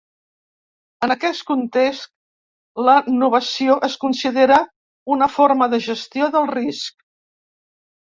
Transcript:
En aquest context, la novació es considera una forma de gestió del risc.